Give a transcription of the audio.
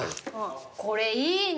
これいいな。